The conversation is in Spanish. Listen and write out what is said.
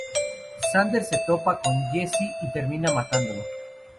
Xander se topa con Jesse y termina matándolo.